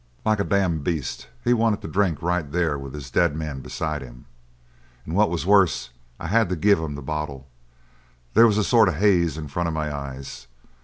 "Like a damned beast! He wanted to drink right there with his dead man beside him. And what was worse, I had to give him the bottle. There was a sort of haze in front of my eyes.